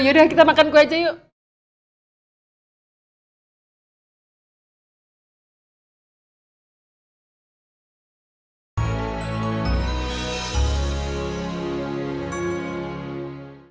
yaudah kita makan kue aja yuk